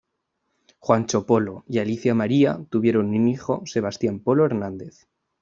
Juancho Polo y Alicia María tuvieron un hijo, Sebastián Polo Hernández.